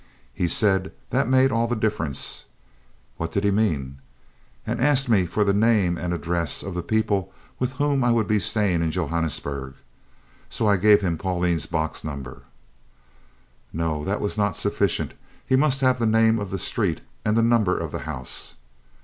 He said 'that made all the difference!' (what did he mean?) and asked me for the name and address of the people with whom I would be staying in Johannesburg, so I gave him Pauline's box number. "No, that was not sufficient, he must have the name of the street and the number of the house.